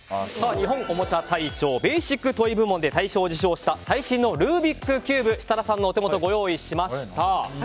日本おもちゃ大賞ベーシック・トイ部門で大賞を受賞した最新のルービックキューブ設楽さんのお手元にご用意しました。